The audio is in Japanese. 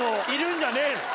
んじゃねえの？